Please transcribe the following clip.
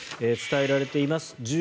伝えられています